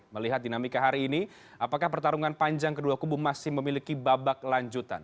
melihat dinamika hari ini apakah pertarungan panjang kedua kubu masih memiliki babak lanjutan